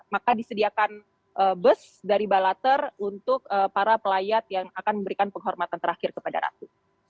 maka disediakan bus dari balater untuk para pelayat yang akan memberikan penghormatan terakhir kepada ratu